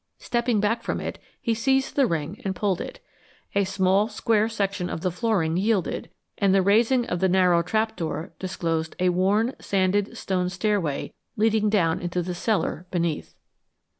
Stepping back from it, he seized the ring and pulled it. A small square section of the flooring yielded, and the raising of the narrow trap door disclosed a worn, sanded stone stairway leading down into the cellar beneath.